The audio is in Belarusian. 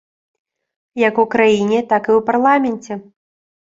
Як у краіне, так і ў парламенце.